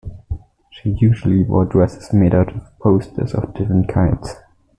She usually wore dresses made out of posters of different kinds.